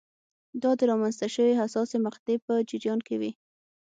دا د رامنځته شوې حساسې مقطعې په جریان کې وې.